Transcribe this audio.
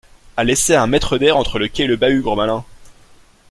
as laissé un mètre d’air entre le quai et le bahut, gros malin!